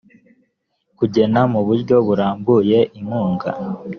kugena mu buryo burambuye inkunga